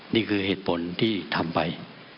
นี่คือเหตุผลที่ทำไป